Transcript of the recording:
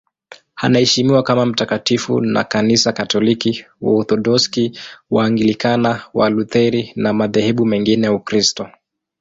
Anaheshimiwa kama mtakatifu na Kanisa Katoliki, Waorthodoksi, Waanglikana, Walutheri na madhehebu mengine ya Ukristo.